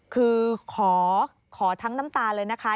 คือขอทั้งน้ำตาเลยนะคะ